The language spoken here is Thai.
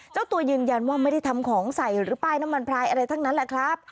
เจ้าตัวยืนยันว่าไม่ได้ทำของใส่หรือป้ายน้ำมันพลายอะไรทั้งนั้นแหละครับ